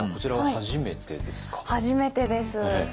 初めてです。